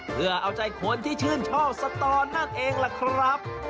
เพื่อเอาใจคนที่ชื่นชอบสตอนั่นเองล่ะครับ